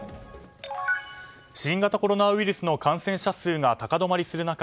新型コロナウイルスの感染者数が高止まりする中